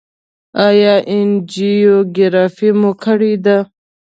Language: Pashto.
ایا انجیوګرافي مو کړې ده؟